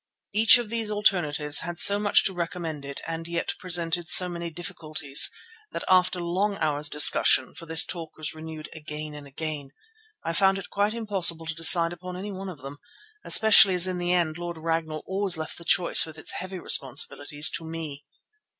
Each of these alternatives had so much to recommend it and yet presented so many difficulties, that after long hours of discussion, for this talk was renewed again and again, I found it quite impossible to decide upon any one of them, especially as in the end Lord Ragnall always left the choice with its heavy responsibilities to me.